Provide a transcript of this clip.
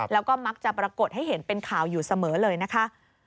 แล้วก็มักจะปรากฏให้เห็นเป็นข่าวอยู่เสมอเลยนะคะ